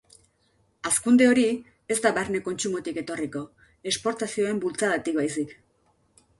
Hazkunde hori ez da barne kontsumotik etorriko, esportazioen bultzadatik baizik.